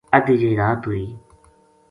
ادھی جئی رات ہوئی